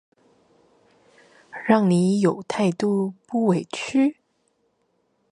讓你有態度不委曲